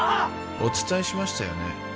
お伝えしましたよね